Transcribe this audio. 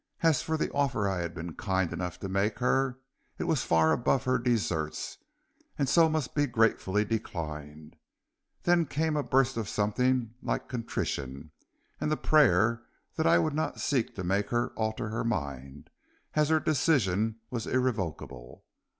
As for the offer I had been kind enough to make her, it was far above her deserts, and so must be gratefully declined. Then came a burst of something like contrition, and the prayer that I would not seek to make her alter her mind, as her decision was irrevocable.